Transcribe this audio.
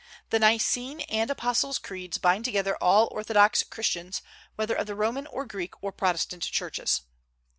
The Nicene and Apostles' creeds bind together all orthodox Christians, whether of the Roman or Greek or Protestant churches.